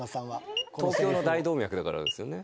東京の大動脈だからですよね。